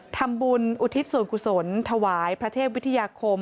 ทำบุญอุทิศส่วนกุศลถวายพระเทพวิทยาคม